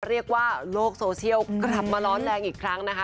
เรียกว่าโลกโซเชียลกลับมาร้อนแรงอีกครั้งนะคะ